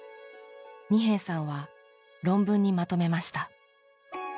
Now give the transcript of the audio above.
仁平さんは論文にまとめました。